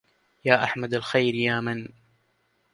يا أحمد الخير يا من